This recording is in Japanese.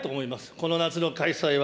この夏の開催は。